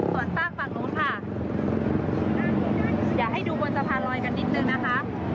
ส่วนสร้างฝั่งโน้นค่ะอยากให้ดูบนสะพานลอยกันนิดหนึ่งนะคะ